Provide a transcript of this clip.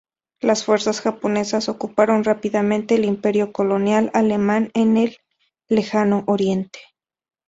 Las fuerzas japonesas ocuparon rápidamente el imperio colonial alemán en el Lejano Oriente.